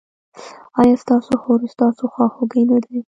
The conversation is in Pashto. ایا ستاسو خور ستاسو خواخوږې نه ده؟